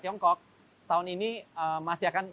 tiongkok tahun ini masih akan